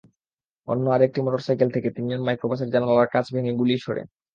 অন্য আরেকটি মোটরসাইকেল থেকে তিনজন মাইক্রোবাসের জানালার কাচ ভেঙে গুলি ছোড়ে।